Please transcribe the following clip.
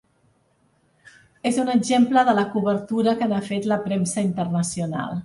És un exemple de la cobertura que n’ha fet la premsa internacional.